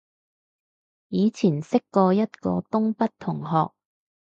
以前識過一個東北同學